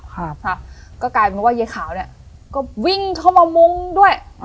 ครับค่ะก็กลายเป็นว่ายายขาวเนี่ยก็วิ่งเข้ามามุ้งด้วย